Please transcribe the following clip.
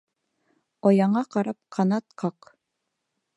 Ояңа ҡарап ҡанат ҡаҡ